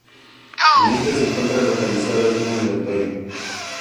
En este se encuentra localizado el Túnel del Toyo.